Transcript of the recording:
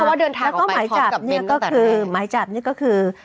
แล้วก็หมายจับเนี่ยก็คือ